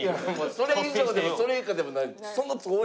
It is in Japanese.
それ以上でもそれ以下でもない。